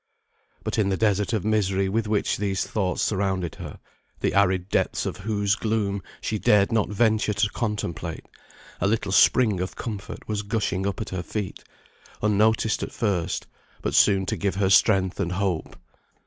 But, in the desert of misery with which these thoughts surrounded her, the arid depths of whose gloom she dared not venture to contemplate, a little spring of comfort was gushing up at her feet, unnoticed at first, but soon to give her strength and hope.